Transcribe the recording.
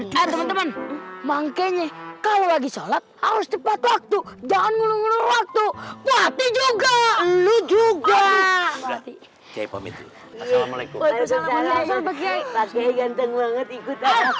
teman teman manggenya kalau lagi sholat harus tepat waktu jangan ngelur ngelur waktu